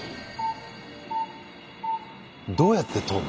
どうやって取んの？